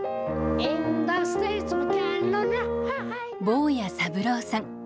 坊屋三郎さん。